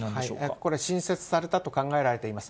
これ、新設されたと考えられています。